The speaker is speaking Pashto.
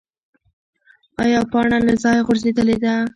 ایا پاڼه له ځایه غورځېدلې ده؟